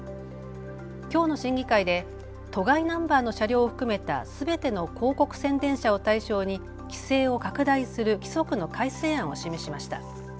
きょうの審議会で都外ナンバーの車両を含めたすべての広告宣伝車を対象に規制を拡大する規則の改正案を示しました。